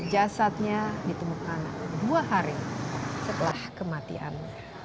jasadnya ditemukan dua hari setelah kematian